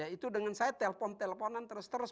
itu dengan saya telpon telponan terus terus